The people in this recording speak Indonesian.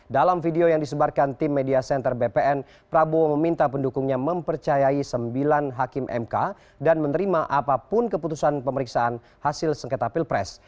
dalam video yang disebarkan tim media center bpn prabowo meminta pendukungnya mempercayai sembilan hakim mk dan menerima apapun keputusan pemeriksaan hasil sengketa pilpres